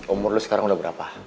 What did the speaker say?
umur lo sekarang udah berapa